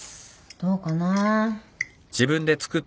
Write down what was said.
どうかな。